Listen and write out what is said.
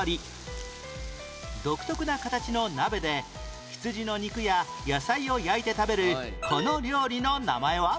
独特な形の鍋で羊の肉や野菜を焼いて食べるこの料理の名前は？